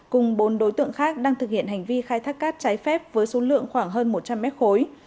cùng bốn đối tượng khác đang thực hiện hành vi khai thác cát trái phép với số lượng khoảng hơn một trăm linh mét khối